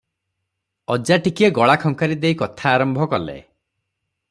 ଅଜା ଟିକିଏ ଗଳା ଖଙ୍କାରି ଦେଇ କଥା ଆରମ୍ଭ କଲେ